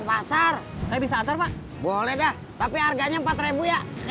abang udah di depan nih